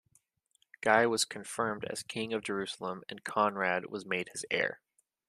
Guy was confirmed as king of Jerusalem, and Conrad was made his heir.